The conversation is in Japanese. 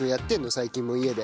最近も家で。